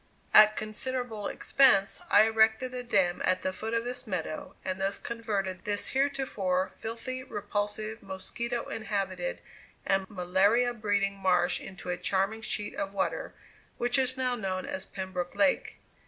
At considerable expense, I erected a dam at the foot of this meadow, and thus converted this heretofore filthy, repulsive, mosquito inhabited and malaria breeding marsh into a charming sheet of water, which is now known as Pembroke Lake.